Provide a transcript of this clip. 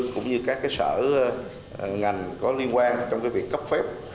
cũng như các sở ngành có liên quan trong việc cấp phép